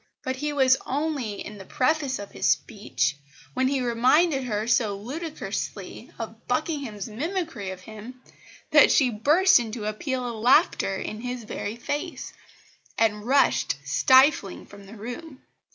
But he was only in the preface of his speech, when he reminded her so ludicrously of Buckingham's mimicry of him that she burst into a peal of laughter in his very face, and rushed stifling from the room.